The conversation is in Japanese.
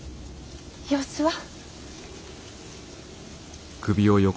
様子は。